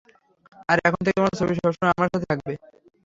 আর এখন থেকে তোমার ছবি সবসময় আমার সাথে থাকবে।